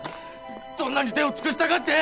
どんなに手をつくしたかってえ